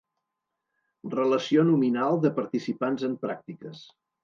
Relació nominal de participants en pràctiques.